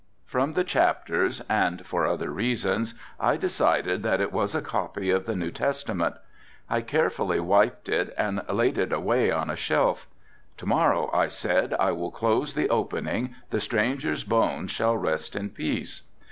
From the chapters and for other reasons I decided that it was a copy of the New Testament. I carefully wiped it and laid it away on a shelf. "To morrow," I said, "I will close the opening, the stranger's bones shall rest in peace."